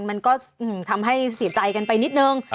มันก็ทำให้เสียใจกันไปนิดนึง